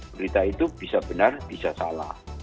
berita itu bisa benar bisa salah